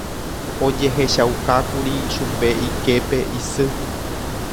ojehechaukákuri chupe iképe isy